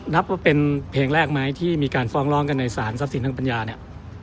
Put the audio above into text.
นับว่าเป็นเพลงแรกไหมที่มีการฟ้องร้องกันในสารทรัพย์สินทางปัญญาเนี่ย